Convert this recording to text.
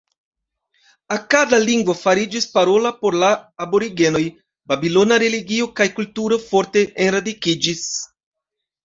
Akada lingvo fariĝis parola por la aborigenoj, babilona religio kaj kulturo forte enradikiĝis.